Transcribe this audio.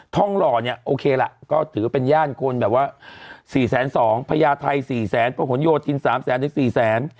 ท่องหล่อเนี่ยโอเคล่ะก็ถือเป็นย่านคนแบบว่า๔๒๐๐พระยาทัย๔๐๐๐พระขนโยชน์จิน๓๐๐๐๔๐๐๐